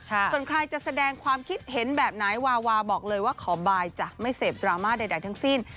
ส่วนใครจะแสดงความคิดเห็นแบบไหนวาวาบอกเลยว่าขอบายจ้ะไม่เสพดราม่าใดทั้งสิ้น